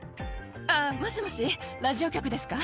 もしもし、ラジオ局ですか？